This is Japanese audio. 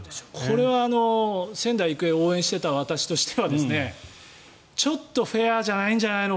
これは仙台育英を応援していた私としてはちょっとフェアじゃないんじゃないの？